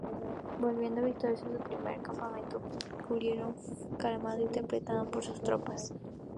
Volviendo victorioso a su primer campamento, Curión fue aclamado "imperator" por sus tropas.